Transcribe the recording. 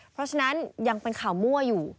เพราะฉะนั้นยังเป็นข่าวมั่วอยู่